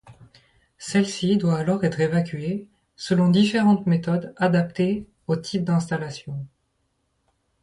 Celle-ci doit alors être évacuée, selon différentes méthodes adaptées au type d'installation.